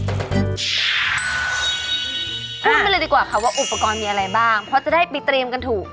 พูดกันเลยดีกว่าค่ะว่าอุปกรณ์มีอะไรบ้างเพราะจะได้ไปเตรียมกันถูก